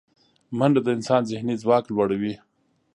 منډه د انسان ذهني ځواک لوړوي